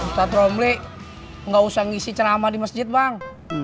ustadz romli nggak usah ngisi ceramah di masjid bang